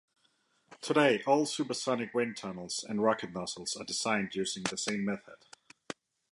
Today, all supersonic wind tunnels and rocket nozzles are designed using the same method.